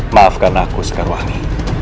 maafkan aku sekarwangi